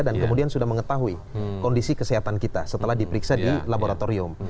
dan kemudian sudah mengetahui kondisi kesehatan kita setelah diperiksa di laboratorium